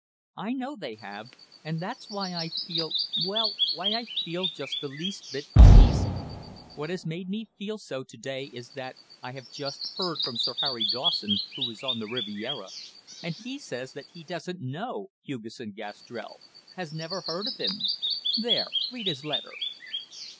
"I know they have, and that's why I feel well, why I feel just the least bit uneasy. What has made me feel so to day is that I have just heard from Sir Harry Dawson, who is on the Riviera, and he says that he doesn't know Hugesson Gastrell, has never heard of him. There, read his letter."